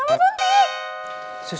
enggak mau suntik